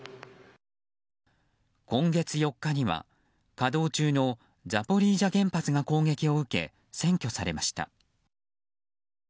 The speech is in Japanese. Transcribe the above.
今月４日には稼働中のザポリージャ原発が攻撃を受け占拠されました。